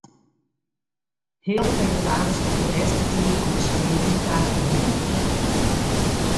Heal febrewaris is de bêste tiid om de skea yn kaart te bringen.